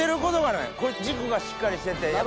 これ軸がしっかりしてて。